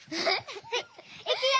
いくよ！